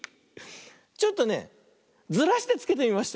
ちょっとねずらしてつけてみました。